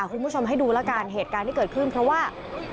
คุณผู้ชมให้ดูแล้วกันเหตุการณ์ที่เกิดขึ้นเพราะว่า